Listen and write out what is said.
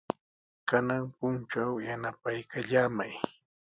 Kanan puntraw yanapaykallamay.